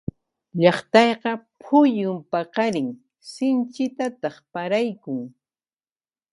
Llaqtayqa phuyun paqarin sinchitataq paraykun.